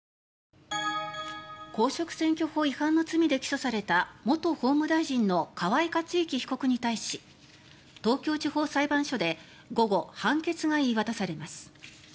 公職選挙法違反の罪で起訴された元法務大臣の河井克行被告に対し東京地方裁判所で午後、判決が言い渡されます。